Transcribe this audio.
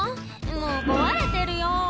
もう壊れてるよ」